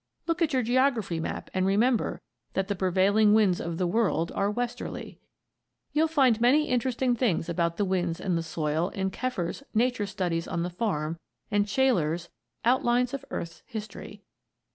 (Look at your geography map and remember that the prevailing winds of the world are westerly.) You'll find many interesting things about the winds and the soil in Keffer's "Nature Studies on the Farm" and Shaler's "Outlines of Earth's History."